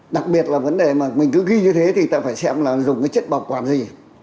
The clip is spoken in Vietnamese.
đặc biệt là vấn đề mà mình cứ ghi như thế thì ta phải xem là dùng cái chất bảo quản gì